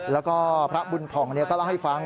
แล้วก็พระบุญผ่องก็เล่าให้ฟัง